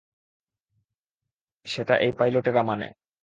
সেটা এই পাইলটেরা মানে।